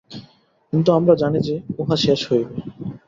কিন্তু আমরা জানি যে, উহা শেষ হইবে।